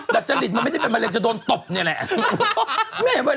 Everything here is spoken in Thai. ดัชลิทไม่จบมะเร็งจะโดนโต๊ปนี่แหละ